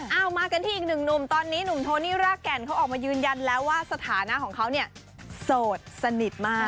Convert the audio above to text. เอามากันที่อีกหนึ่งหนุ่มตอนนี้หนุ่มโทนี่รากแก่นเขาออกมายืนยันแล้วว่าสถานะของเขาเนี่ยโสดสนิทมาก